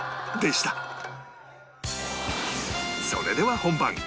それでは本番